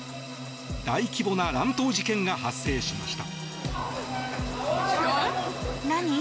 大規模な乱闘事件が発生しました。